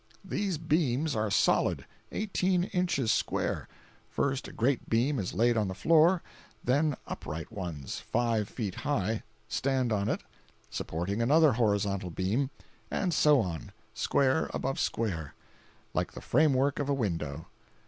These beams are solid—eighteen inches square; first, a great beam is laid on the floor, then upright ones, five feet high, stand on it, supporting another horizontal beam, and so on, square above square, like the framework of a window.